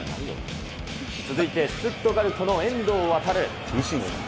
続いて、シュツットガルトの遠藤航。